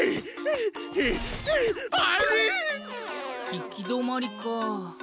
いきどまりかあ。